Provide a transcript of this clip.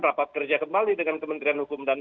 rapat kerja kembali dengan kementerian hukum dan